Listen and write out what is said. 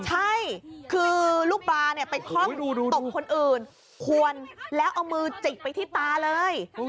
ใช่คือลูกปลาเนี่ยไปคล่อมตบคนอื่นควรแล้วเอามือจิกไปที่ตาเลย